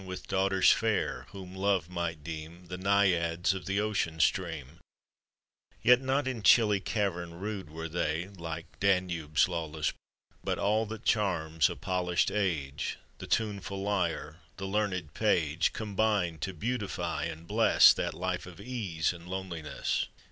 "With daughters fair, whom love might deem The Naiads of the ocean stream : Yet not in chilly cavern rude Were they, like Danube's lawless brood, But all that charms a polished age, The tuneful lyre, the learned page, Combined to beautify and bless That life of ease and loneliness.